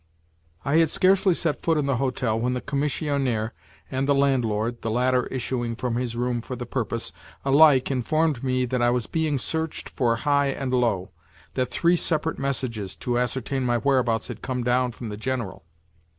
I had scarcely set foot in the hotel when the commissionaire and the landlord (the latter issuing from his room for the purpose) alike informed me that I was being searched for high and low—that three separate messages to ascertain my whereabouts had come down from the General.